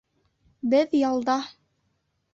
Беҙ ялда